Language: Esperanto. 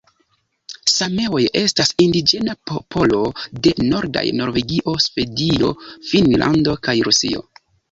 Sameoj estas indiĝena popolo de nordaj Norvegio, Svedio, Finnlando kaj Rusio.